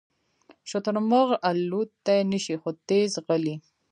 شترمرغ الوتلی نشي خو تېز ځغلي